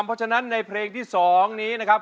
เพราะฉะนั้นในเพลงที่๒นี้นะครับ